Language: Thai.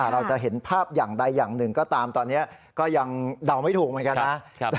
เราจะเห็นภาพอย่างใดอย่างหนึ่งก็ตามตอนนี้ก็ยังเดาไม่ถูกเหมือนกันนะ